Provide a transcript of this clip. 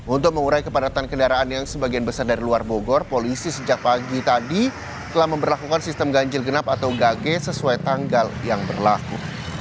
untuk mengurai kepadatan kendaraan yang sebagian besar dari luar bogor polisi sejak pagi tadi telah memperlakukan sistem ganjil genap atau gage sesuai tanggal yang berlaku